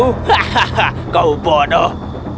hahaha kau bodoh